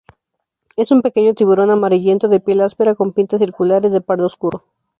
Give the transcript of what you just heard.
Es un pequeño tiburón amarillento de piel áspera con pintas circulares de pardo oscuro.